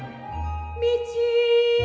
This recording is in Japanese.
「道」